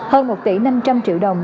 hơn một tỷ năm trăm linh triệu đồng